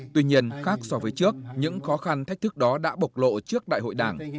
tuy nhiên khác so với trước những khó khăn thách thức đó đã bộc lộ trước đại hội đảng